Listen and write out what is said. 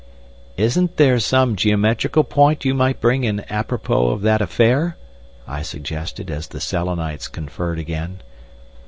"Isn't there some geometrical point you might bring in apropos of that affair?" I suggested, as the Selenites conferred again.